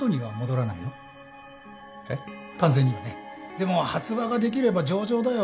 でも発話ができれば上々だよ。